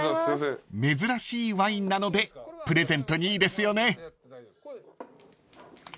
［珍しいワインなのでプレゼントにいいですよね］